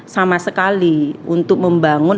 sama sekali untuk membangun